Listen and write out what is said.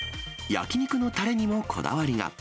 焼き肉のたれにもこだわりが。